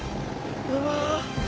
うわ！